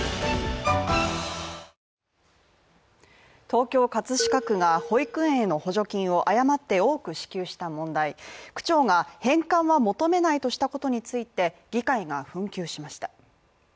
東京・葛飾区が保育園への補助金を誤って多く支給した問題、区長が返還は求めないとしたことについて、議会が紛糾しました。